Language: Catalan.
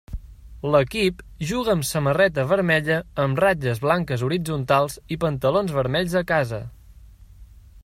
L'equip juga amb samarreta vermella amb ratlles blanques horitzontals i pantalons vermells a casa.